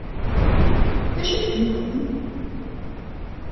D acu i ken-yuɣen?